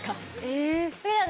え！